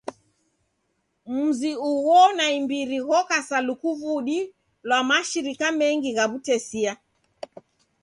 Mzi ugho aho naimbiri ghoka sa lukuvudi lwa mashirika mengi gha w'utesia.